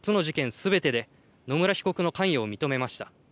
すべてで野村被告の関与を認めました。